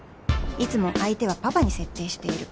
いつも相手はパパに設定している